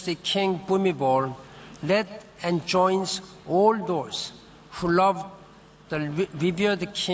ที่พระเจ้าบูมิบอลสร้างและเจอกับทุกคนที่ชอบพระเจ้าในการสร้างความรับใจ